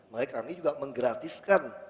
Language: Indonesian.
makanya kami juga menggratiskan